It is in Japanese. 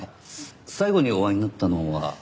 最後にお会いになったのは？